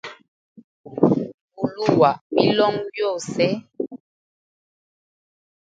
Vuluwa milongo yose.